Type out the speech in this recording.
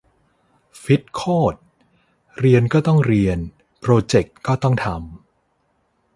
ฟิตโคตร เรียนก็ต้องเรียน โปรเจกต์ก็ต้องทำ